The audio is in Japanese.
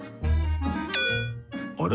あれ？